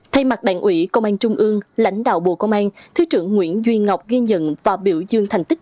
thay mặt đảng ủy công an trung ương lãnh đạo bộ công an thứ trưởng nguyễn duy ngọc ghi nhận và biểu dương thành tích